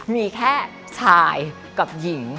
มีแค่ชายกับหญิง